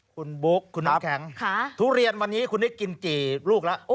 คุณบุ๊คคุณน้ำแข็งทุเรียนวันนี้คุณได้กินกี่ลูกแล้ว